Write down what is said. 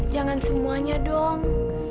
jangan semuanya dong